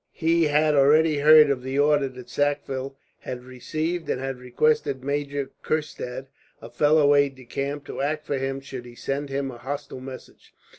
He had already heard of the order that Sackville had received; and had requested Major Kurstad, a fellow aide de camp, to act for him should he send him a hostile message.